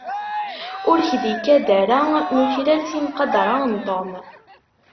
Ur k-d-ikad ara nuklal timqidra n Tom?